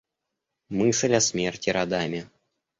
Мысль о смерти родами.